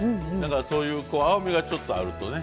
そういう青みがちょっとあるとね。